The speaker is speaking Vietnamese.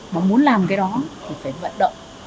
mà muốn làm cái đó thì phải vận động